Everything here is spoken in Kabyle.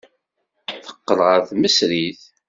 Teqqel ɣer tmesrit.